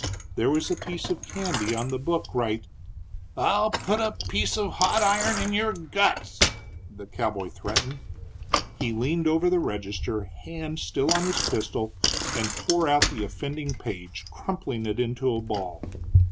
There was a piece of candy on the book right " "I'll put a piece of hot iron in your guts!" the cowboy threatened. He leaned over the register, hand still on his pistol, and tore out the offending page, crumpling it into a ball.